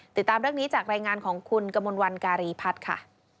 ติดตามเรื่องนี้จากรายงานของคุณกมลวันการีพัฒน์ค่ะ